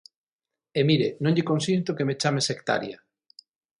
E mire, non lle consinto que me chame sectaria.